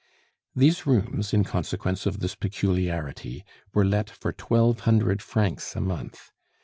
These rooms, in consequence of this peculiarity, were let for twelve hundred francs a month.